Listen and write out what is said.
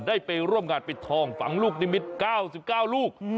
ได้ไปร่วมงานปิดทองฝังลูกนิมิตร๙๙ลูก